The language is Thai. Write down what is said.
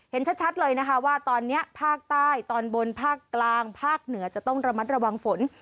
เห็นชัดเลยนะคะว่าตอนนี้ภาคใต้ตอนบนภาคกลางภาคเหนือจะต้องระมัดระวังฝน